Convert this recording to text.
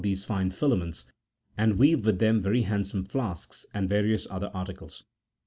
[Book XYL these fine filaments, and weave with them very handsome flasks,63 and various other articles.